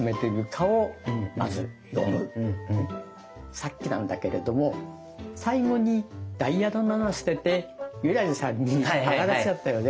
さっきなんだけれども最後に「ダイヤの７」捨てて優良梨さんにあがらせちゃったよね。